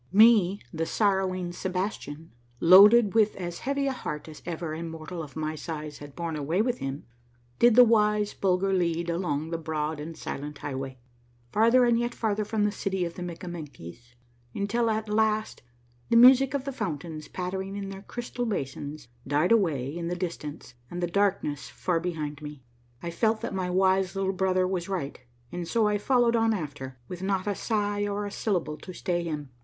Me, the sorrowing Sebastian, loaded with as heavy a lieart as ever a mortal of my size had borne away with him, did the wise Bulger lead along the broad and silent highway, farther and yet farther from the city of the Mikkamenkies, until at last the music of the fountains pattering in their crystal basins died away in the distance and the darkness far behind me. I felt that my wise little brother was right, and so I followed on after, with not a sigh or a syllable to stay him.